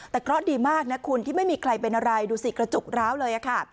แต่เพราะดีมากน่ะคุณที่ไม่มีใครเป็นอะไรเดี๋ยวสิกระจกราวเลยอ่ะค่ะ